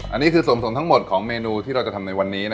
อันนี้คือส่วนสมทั้งหมดของเมนูที่เราจะทำในวันนี้